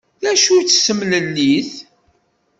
D acu-tt temlellit?